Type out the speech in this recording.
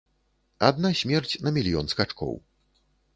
Адна смерць на мільён скачкоў.